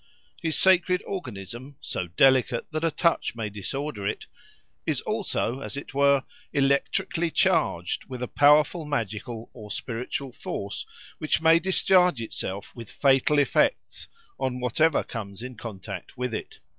His sacred organism, so delicate that a touch may disorder it, is also, as it were, electrically charged with a powerful magical or spiritual force which may discharge itself with fatal effect on whatever comes in contact with it.